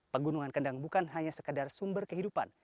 pegunungan kendang bukan hanya sekedar sumber kehidupan